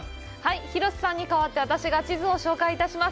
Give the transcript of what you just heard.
広瀬さんに代わって私が地図を紹介いたします。